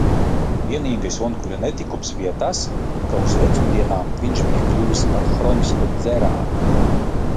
Vienīgais onkuļa netikums bija tas, ka uz vecumdienām viņš bija kļuvis par hronisku dzērāju.